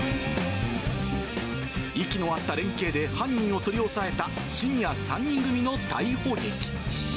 息の合った連係で、犯人を取り押さえたシニア３人組の逮捕劇。